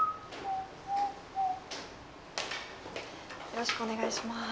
よろしくお願いします。